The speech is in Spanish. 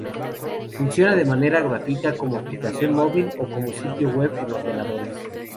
Funciona de manera gratuita como aplicación móvil o como sitio web en ordenadores.